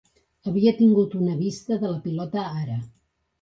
Havia tingut una vista de la pilota ara.